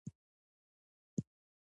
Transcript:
هر یوې بېله مېوه او بېل یې نوم و.